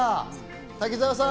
滝澤さん